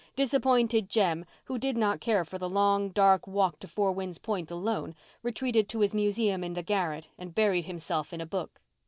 Disappointed Jem, who did not care for the long dark walk to Four Winds Point alone, retreated to his museum in the garret and buried himself in a book.